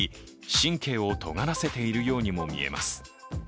神経をとがらせているようにも見えます。